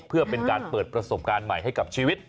เพื่อเป็นการเปิดประสบการณ์ใหม่ให้กับชีวิต